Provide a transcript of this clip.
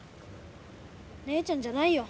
ねえちゃんじゃないよ。